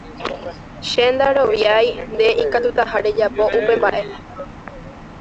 Che ndaroviái nde ikatutaha rejapo upe mba'e